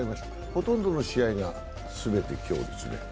ほとんどの試合が全て今日ですね。